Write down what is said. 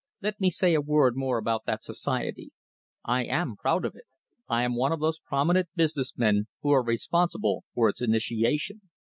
"Let me say a word more about that society. I am proud of it. I am one of those prominent business men who are responsible for its initiation.